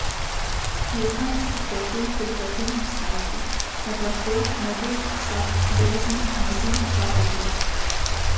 Iekams, turpretī, turpretim - saikļi. Neparko, nebūt, sak, diezin, nezin - partikulas.